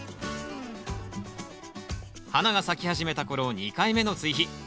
花が咲き始めた頃２回目の追肥。